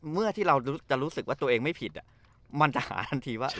เมื่อที่เราจะรู้สึกว่าตัวเองไม่ผิดมันจะหาทันทีว่า